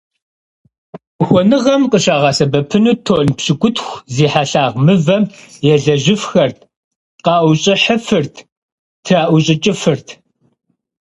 Ухуэныгъэм къыщагъэсэбэпыну тонн пщыкӏутху зи хьэлъагъ мывэм елэжьыфхэрт, къаӏущӏыхьыфырт, траӏущӏыкӏыфырт.